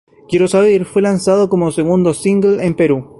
Quiero saber fue lanzado como segundo single en Perú.